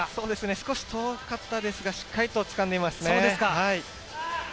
少し遠かったですが、しっかり掴んでいますね。